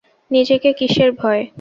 নিজেকে কিসের ভয়?